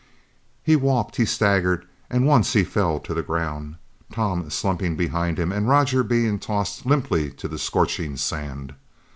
He walked, he staggered, and once he fell to the ground, Tom slumping behind him and Roger being tossed limply to the scorching sand.